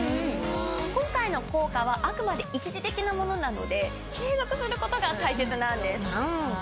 今回の効果はあくまで一時的なものなので継続することが大切なんです。